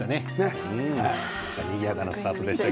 にぎやかなスタートでした。